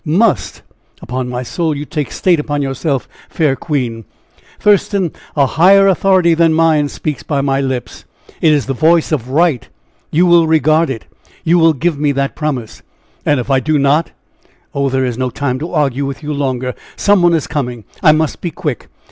"'Must!' Upon my soul! you take state upon yourself, fair queen!" "Thurston, a higher authority than mine speaks by my lips it is the voice of Right! You will regard it. You will give me that promise!" "And if I do not " "Oh! there is no time to argue with you longer some one is coming I must be quick.